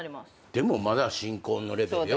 でもまだ新婚のレベルよ。